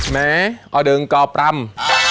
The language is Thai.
แม่ออเดิร์งกอปร่ำ